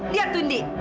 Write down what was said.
lihat tuh indi